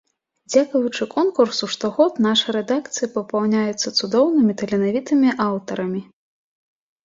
Дзякуючы конкурсу штогод наша рэдакцыя папаўняецца цудоўнымі таленавітымі аўтарамі.